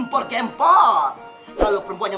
pakai apaan sayur aja kalian